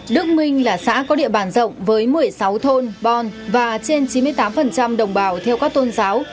đức minh là xã có địa bàn rộng với một mươi sáu thôn bon và trên chín mươi tám đồng bào theo các tôn giáo